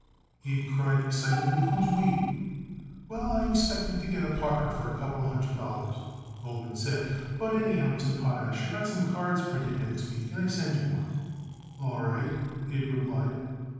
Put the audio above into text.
Abe cried excitedly. "Who's we?" "Well, I expect to get it a partner with a couple of hundred dollars," Goldman said; "but, anyhow, Mr. Potash, I get some cards printed next week and I send you one." "All right," Abe replied.